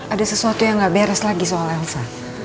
ada sesuatu yang gak beres lagi soal elsa